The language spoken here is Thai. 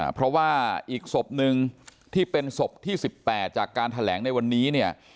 เพราะว่าอีกศพหนึ่งที่เป็นศพที่๑๘จากการแถลงในวันนี้เนี่ย